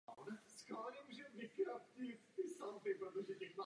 K vidění jsou četná umělecká díla.